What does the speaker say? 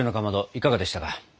いかがでしたか？